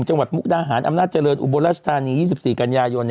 จังหวัดมุกดาหารอำนาจเจริญอุโบราชทานี๒๔กันยายน